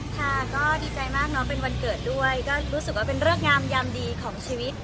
ค่ะก็ดีใจมากเนอะเป็นวันเกิดด้วยก็รู้สึกว่าเป็นเริกงามยามดีของชีวิต